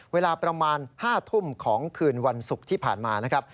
เวลาประมาณ๕ทุ่มของคืนวันศุกร์ที่ผ่านมานะครับ